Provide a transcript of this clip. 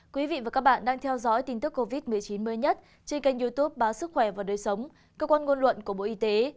quý vị và các bạn đang theo dõi tin tức covid một mươi chín mới nhất trên kênh youtube báo sức khỏe và đời sống cơ quan ngôn luận của bộ y tế